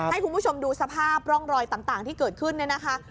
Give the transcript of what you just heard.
ให้คุณผู้ชมดูสภาพร่องรอยต่างที่เกิดขึ้นเนี่ยนะคะ